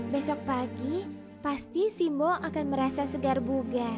besok pagi pasti si mbok akan merasa segar bugar